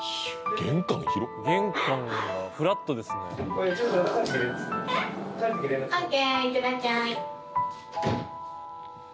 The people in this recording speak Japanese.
玄関がフラットですねＯＫ